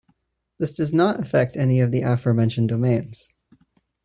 This does not affect any of the aforementioned domains.